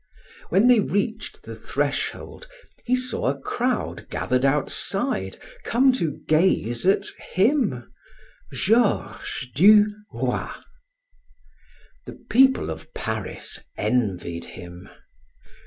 When they reached the threshold he saw a crowd gathered outside, come to gaze at him, Georges du Roy. The people of Paris envied him.